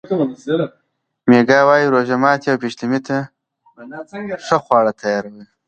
میکا وايي روژه ماتي او پیشلمي ته ښه خواړه تیاروي.